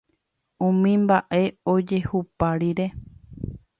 Umi mba'e ojehupa rire